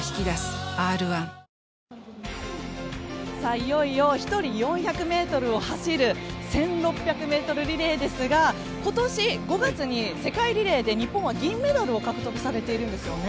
いよいよ１人４００ｍを走る１６００ｍリレーですが今年５月に世界リレーで日本は銀メダルを獲得されているんですよね。